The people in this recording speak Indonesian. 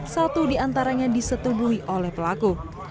satu di antaranya disetubuhi oleh pelaku